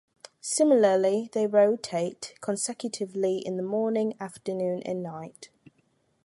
Similarly they rotate consecutively in the morning, afternoon and night.